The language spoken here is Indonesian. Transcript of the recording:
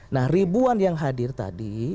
nah ribuan yang hadir tadi